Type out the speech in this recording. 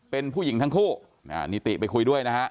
เป็นผู้หญิงทั้งคู่นิติไปคุยด้วยนะฮะ